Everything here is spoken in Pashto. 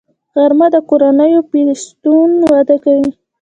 غرمه د کورنیو پیوستون وده کوي